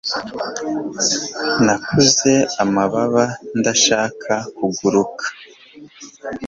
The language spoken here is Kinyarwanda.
nakuze amababa, ndashaka kuguruka